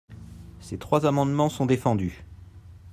Ces trois amendements sont défendus.